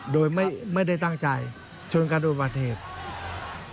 โดยไม่ได้ตั้งใจชนกันอุบัติเหตุ